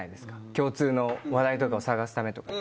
共通の話題とかを探すためとか。